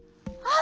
「あ！